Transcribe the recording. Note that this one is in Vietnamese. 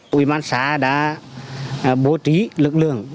quỹ bán xã đã bố trí lực lượng